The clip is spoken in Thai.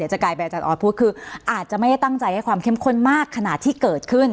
จะกลายเป็นอาจารย์ออสพูดคืออาจจะไม่ได้ตั้งใจให้ความเข้มข้นมากขนาดที่เกิดขึ้น